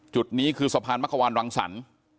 จุดนี้คือสะพานมะขวานรังสรรค์